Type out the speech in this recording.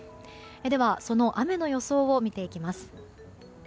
では、その雨の予想を見ていきます。